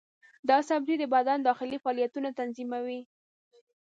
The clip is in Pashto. دا سبزی د بدن داخلي فعالیتونه تنظیموي.